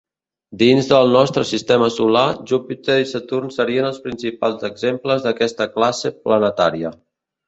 Dins del nostre Sistema Solar, Júpiter i Saturn serien els principals exemples d'aquesta classe planetària.